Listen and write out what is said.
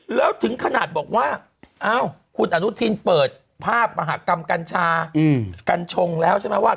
แล้วถึงขนาดบอกว่าคุณอนุทินเปิดภาพมหากรรมกัญชากัญชงแล้วใช่ไหมว่า